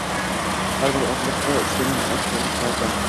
Har bir otliqqa uchtadan ot to`g`ri kelardi